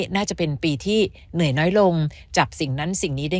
น่าจะเป็นปีที่เหนื่อยน้อยลงจับสิ่งนั้นสิ่งนี้ได้